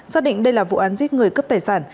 xác định đây là vụ án giết người cướp tài sản